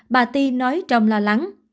bà ti nói trong lo lắng